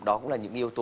đó cũng là những yếu tố